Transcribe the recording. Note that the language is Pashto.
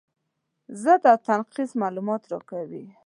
ضد او نقیض معلومات راکوي.